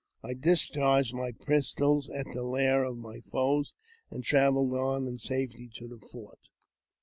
I discharged my pistols at the lair of"" my foes, and travelled on in safety to the fort.